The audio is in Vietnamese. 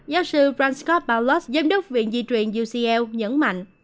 giáo sư branscott paulos giám đốc viện di truyền ucl nhấn mạnh